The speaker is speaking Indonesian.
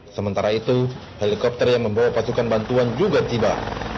sementara itu helikopter yang membawa pasukan bantuan juga tiba